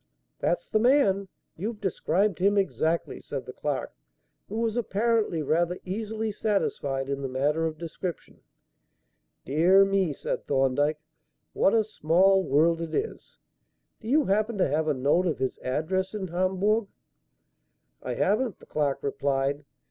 "That's the man. You've described him exactly," said the clerk, who was apparently rather easily satisfied in the matter of description. "Dear me," said Thorndyke; "what a small world it is. Do you happen to have a note of his address in Hamburg?" "I haven't," the clerk replied.